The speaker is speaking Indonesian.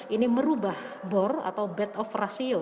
ini merubah bor atau bed of ratio